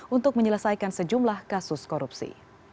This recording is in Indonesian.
untuk menyelesaikan sejumlah kasus korupsi